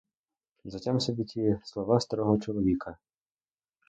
Затям собі ті слова старого чоловіка.